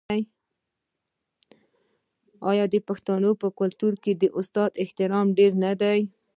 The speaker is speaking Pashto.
آیا د پښتنو په کلتور کې د استاد احترام ډیر نه دی؟